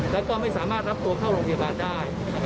แล้วก็ไม่สามารถรับตัวเข้าโรงพยาบาลได้